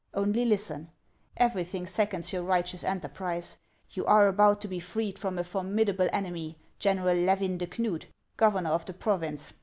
Only listen ; everything seconds your righteous enterprise ; you are about to be freed from a formidable enemy, Gen eral Levin de Knud, governor of the province.